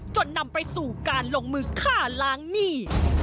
จนนำไปสู่การลงมือฆ่าล้างหนี้